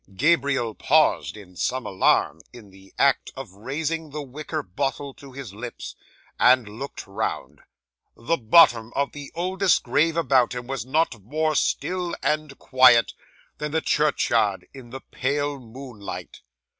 'Gabriel paused, in some alarm, in the act of raising the wicker bottle to his lips, and looked round. The bottom of the oldest grave about him was not more still and quiet than the churchyard in the pale moonlight.